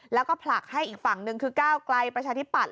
แล้วก็ผลักให้อีกฝั่งหนึ่งคือก้าวไกลประชาธิปัตย